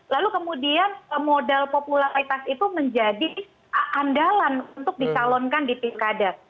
lalu kemudian modal popularitas itu menjadi andalan untuk di calonkan di tim kader